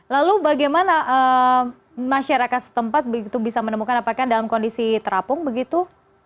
lalu bagaimana masyarakat setempat begitu bisa menemukan apakah dalam kondisi terapung begitu